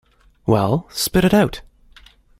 Well, spit it out!